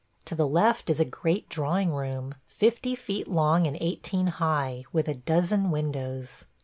To the left is a great drawing room, fifty feet long and eighteen high, with a dozen windows.